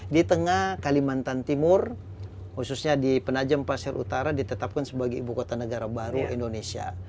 di tengah kalimantan timur khususnya di penajam pasir utara ditetapkan sebagai ibu kota negara baru indonesia